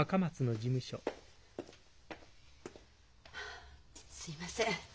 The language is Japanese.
あすいません。